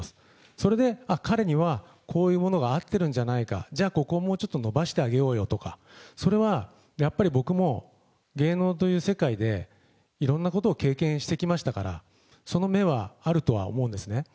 それで、あっ、彼にはこういうものが合ってるんじゃないか、じゃあここをもうちょっと伸ばしてあげようよとか、それはやっぱり僕も、芸能という世界でいろんなことを経験してきましたから、その目はあるとは思うんですね。